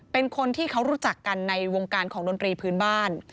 เป็นคนที่เขารู้จักกันในวงการของดนตรีพื้นบ้าน